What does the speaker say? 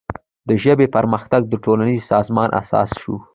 د ژبې پرمختګ د ټولنیز سازمان اساس شو.